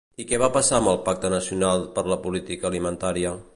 I què va passar amb el Pacte Nacional per la Política Alimentària?